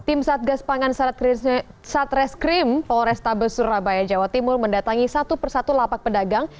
tim satgas pangan satreskrim polrestabes surabaya jawa timur mendatangi satu persatu lapak pedagang